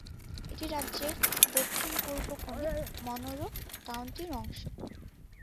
এটি রাজ্যের দক্ষিণ-পূর্ব কোণে মনরো কাউন্টির অংশ।